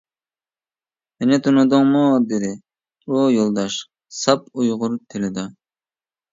-مېنى تونۇدۇڭمۇ؟ -دېدى ئۇ يولداش ساپ ئۇيغۇر تىلىدا.